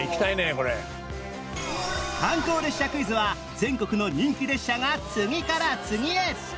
観光列車クイズは全国の人気列車が次から次へ！